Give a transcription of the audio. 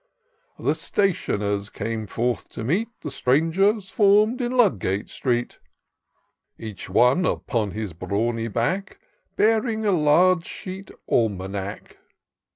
The Stationers came forth to meet The stranger forms in Ludgate street ; Each one, upon his bravmy back. Bearing a large sheet Almanack.